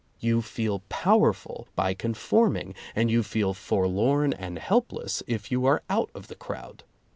You feel powerful by conform ing, and you feel forlorn and helpless if you are out of the crowd.